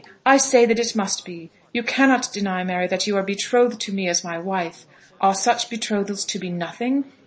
I say that it must be. You cannot deny, Mary, that you are betrothed to me as my wife. Are such betrothals to be nothing?